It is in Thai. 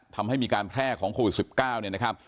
ทำให้มีการแพร่ของโควิด๑๙เนี่ยนะครับ